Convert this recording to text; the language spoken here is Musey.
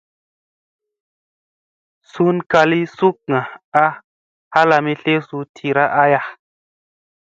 Sun kalii sukga a halami tlesu tira aya.